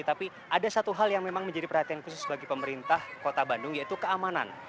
tapi ada satu hal yang memang menjadi perhatian khusus bagi pemerintah kota bandung yaitu keamanan